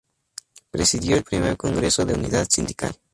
Presidió el Primer Congreso de Unidad Sindical.